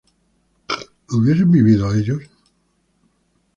¿hubiesen vivido ellos?